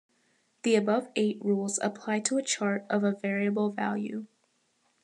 The above eight rules apply to a chart of a variable value.